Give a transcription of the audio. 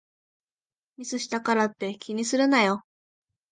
ミスしたからって気にするなよ